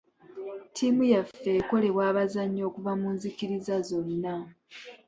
Ttiimu yaffe ekolebwa abazannyi okuva mu nzikiriza zonna.